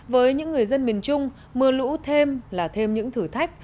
với những người dân miền trung mưa lũ thêm là thêm những thử thách